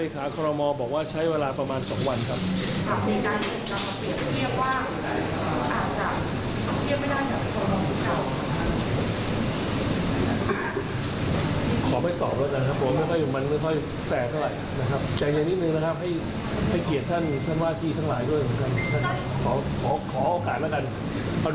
ก็เรียบร้อยแล้ว